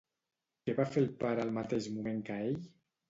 Què va fer el pare al mateix moment que ell?